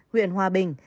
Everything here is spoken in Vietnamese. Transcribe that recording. huyện hòa bình